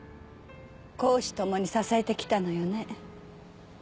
公私ともに支えてきたのよね。